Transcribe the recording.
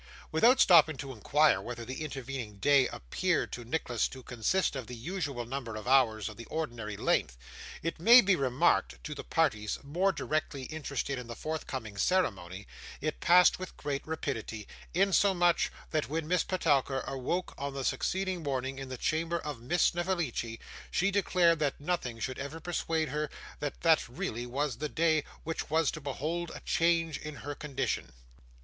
Without stopping to inquire whether the intervening day appeared to Nicholas to consist of the usual number of hours of the ordinary length, it may be remarked that, to the parties more directly interested in the forthcoming ceremony, it passed with great rapidity, insomuch that when Miss Petowker awoke on the succeeding morning in the chamber of Miss Snevellicci, she declared that nothing should ever persuade her that that really was the day which was to behold a change in her condition.